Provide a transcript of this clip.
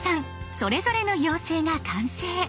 それぞれの妖精が完成。